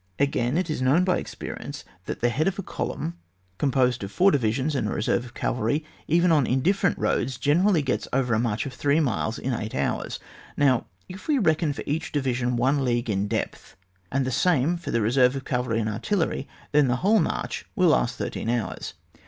Again, it is known by experience that the head of a column composed of four divisions and a reserve of cavalry, even on indifferent roads, generally gets over a march of three miles in eight hours; now, if we reckon for each division one league in depth, and the same for the reserve cavalry and artillery, then the whole march will last thirteen hours.